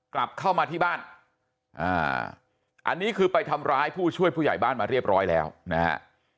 กลับเข้ามาที่บ้านอันนี้คือไปทำร้ายผู้ช่วยผู้ใหญ่บ้านมาเรียบร้อยแล้วนะฮะ